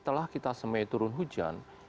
setelah kita semai turun hujan